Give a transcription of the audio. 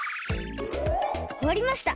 おわりました。